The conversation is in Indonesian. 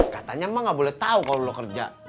katanya emang gak boleh tahu kalau lo kerja